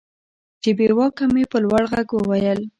چې بېواكه مې په لوړ ږغ وويل.